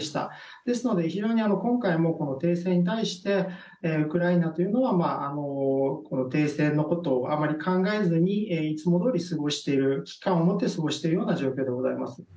ですので今回も、停戦に対してウクライナというのは停戦のことをあまり考えずにいつもどおり危機感を持って過ごしているような状況でございます。